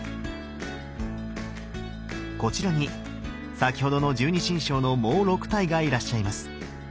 こちらに先ほどの十二神将のもう６体がいらっしゃいます。